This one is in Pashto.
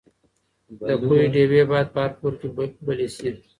د پوهې ډیوې باید په هر کور کې بلې شي.